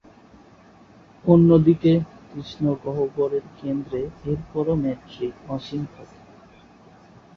অন্য দিকে, কৃষ্ণগহ্বরের কেন্দ্রে এরপরও মেট্রিক অসীম থাকে।